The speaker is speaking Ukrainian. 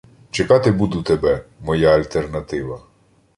Чекати буду тебе, Моя альтернатива!